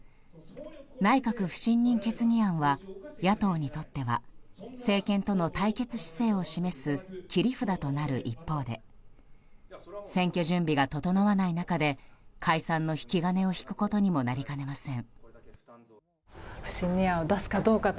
内閣不信任決議案は野党にとっては政権との対決姿勢を示す切り札となる一方で選挙準備が整わない中で解散の引き金を引くことにもなりかねません。